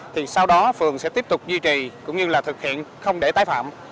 thì sau đó phường sẽ tiếp tục duy trì cũng như là thực hiện không để tái phạm